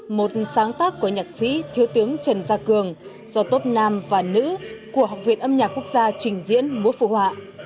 một sáng tác của nhạc sĩ thiếu tướng trần gia cường do tốt nam và nữ của học viện âm nhạc quốc gia trình diễn múa phù họa